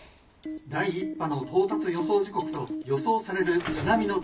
「第１波の到達予想時刻と予想される津波の高さです。